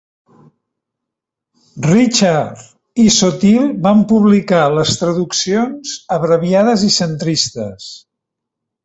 Richard i Soothill van publicar les traduccions abreviades i "centristes".